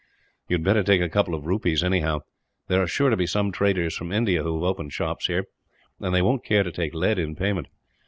"You had better take a couple of rupees, anyhow. There are sure to be some traders from India who have opened shops here, and they won't care to take lead in payment.